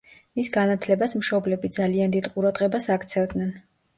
მის განათლებას მშობლები ძალიან დიდ ყურადღებას აქცევდნენ.